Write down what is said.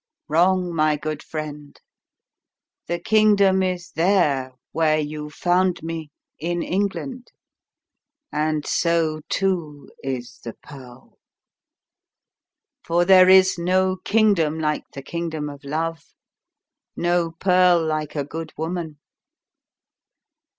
"Wrong, my good friend. The kingdom is there where you found me in England; and so, too, is the pearl. For there is no kingdom like the kingdom of love, no pearl like a good woman.